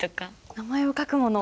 名前を書くもの。